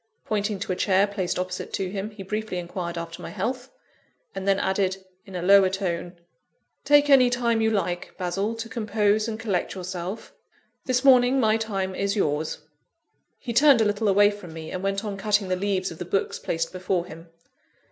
Pointing to a chair placed opposite to him, he briefly inquired after my health; and then added, in a lower tone "Take any time you like, Basil, to compose and collect yourself. This morning my time is yours." He turned a little away from me, and went on cutting the leaves of the books placed before him.